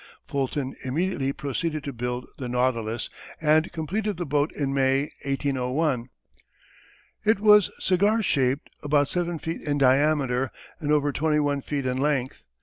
Fulton immediately proceeded to build the Nautilus and completed the boat in May, 1801. It was cigar shaped, about seven feet in diameter and over twenty one feet in length.